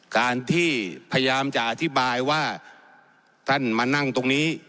การที่พยายามจะอธิบายว่าท่านมานั่งตรงนี้